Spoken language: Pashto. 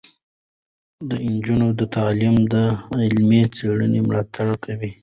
د نجونو تعلیم د علمي څیړنو ملاتړ کوي.